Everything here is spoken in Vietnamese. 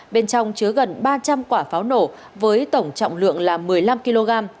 bên trong chứa gần ba trăm linh quả pháo nổ với tổng trọng lượng là một mươi năm kg